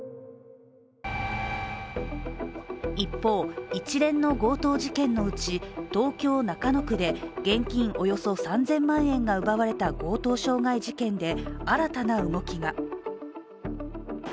一方、一連の強盗事件のうち東京・中野区で現金およそ３０００万円が奪われた強盗傷害事件で新たな動きが。